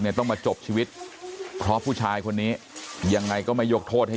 ต้องมาจบชีวิตเพราะผู้ชายคนนี้ยังไงก็ไม่ยกโทษให้